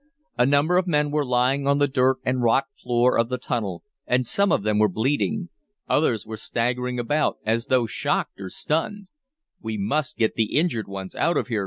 A number of men were lying on the dirt and rock floor of the tunnel, and some of them were bleeding. Others were staggering about as though shocked or stunned. "We must get the injured ones out of here!"